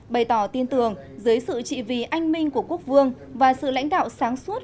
bày tỏ tin tưởng dưới sự trị vì anh minh của quốc vương và sự lãnh đạo sáng suốt